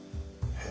えっ？